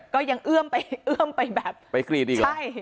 เอื้อมไปเอื้อมไปแบบไปกรีดอีกเหรอใช่